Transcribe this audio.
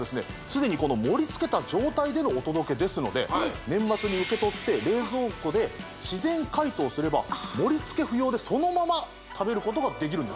すでにこの盛り付けた状態でのお届けですので年末に受け取って冷蔵庫でそのまま食べることができるんです